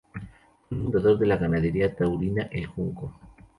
Fue el fundador de la ganadería taurina El Junco.